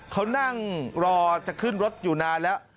เขานั่งรอจะขึ้นรถอยู่นานแล้ว